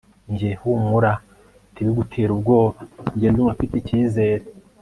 Njye humura ntibigutere ubwoba njye ndumva mfite icyizere